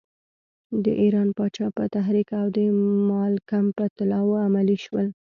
د ایران پاچا په تحریک او د مالکم په طلاوو عملی شول.